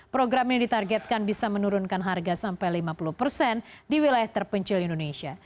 program ini ditargetkan bisa menurunkan harga sampai lima puluh persen di wilayah terpencil indonesia